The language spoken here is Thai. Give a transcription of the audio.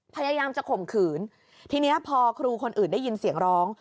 พยายามจะข่มขืนทีนี้พอครูคนอื่นได้ยินเสียงร้อง